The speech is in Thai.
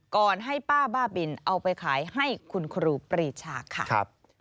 ก่อนให้ป้าบ้าบินเอาไปขายให้คุณครูปรีชาค่ะ